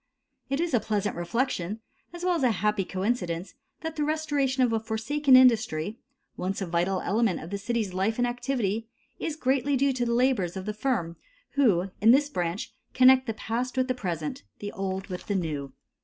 It is a pleasant reflection as well as a happy coincidence that the restoration of a forsaken industry, once a vital element in the city's life and activity, is greatly due to the labors of the firm who, in this branch, connect the past with the present, the old with the new.